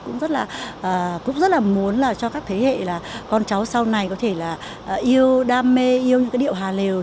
cũng rất là muốn cho các thế hệ là con cháu sau này có thể là yêu đam mê yêu những cái điệu hà lều